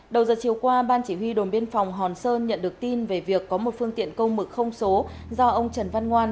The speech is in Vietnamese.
đầu giờ chiều qua ban chỉ huy đồn biên phòng hòn sơn nhận được tin về việc có một phương tiện công mực không số do ông trần văn ngoan